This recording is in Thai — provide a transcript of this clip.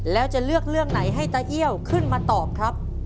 แล้วจะเลือกเรื่องไหนให้ตาเอี้ยวขึ้นมาตอบครับ